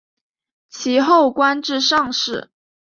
其后官至上士。